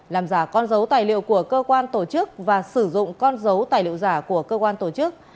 làm giả con dấu tài liệu của cơ quan tổ chức và sử dụng con dấu tài liệu giả của cơ quan tổ chức